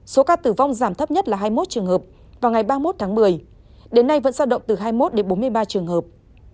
số ca tử vong giảm thấp nhất là hai mươi một trường hợp vào ngày ba mươi một tháng một mươi đến nay vẫn giao động từ hai mươi một đến bốn mươi ba trường hợp